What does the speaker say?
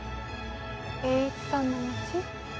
栄一さんの道。